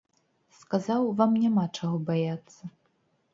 Сказаў, вам няма чаго баяцца.